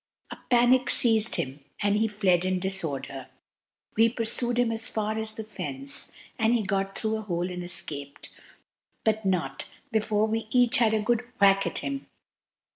A panic seized him, and he fled in disorder; we pursued him as far as the fence, and he got through a hole and escaped, but not before we each had a good whack at him.